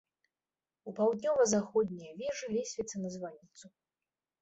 У паўднёва-заходняй вежы лесвіца на званіцу.